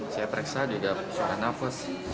saya pereksa juga suara nafas